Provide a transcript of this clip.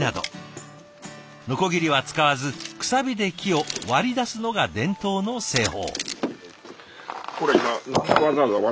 のこぎりは使わずくさびで木を割り出すのが伝統の製法。